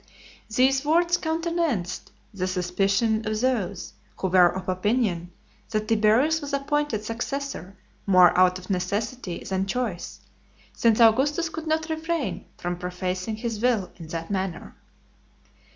These words countenanced the suspicion of those who were of opinion, that Tiberius was appointed successor more out of necessity than choice, since Augustus could not refrain from prefacing his will in that manner.